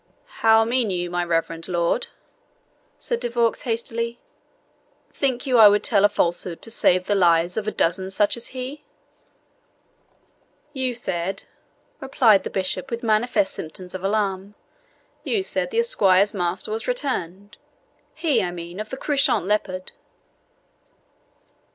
"How mean you, my reverend lord?" said De Vaux hastily. "Think you I would tell a falsehood to save the lives of a dozen such as he?" "You said," replied the bishop, with manifest symptoms of alarm "you said the esquire's master was returned he, I mean, of the Couchant Leopard."